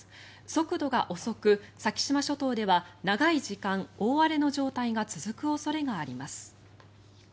速度が遅く、先島諸島では長い時間、大荒れの状態が続く恐れがあります。